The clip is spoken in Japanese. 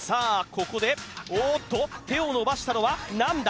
ここでおおっと手を伸ばしたのは何だ？